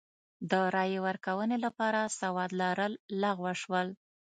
د رایې ورکونې لپاره سواد لرل لغوه شول.